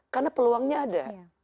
karena peluangnya ada